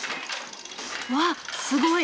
わっすごい！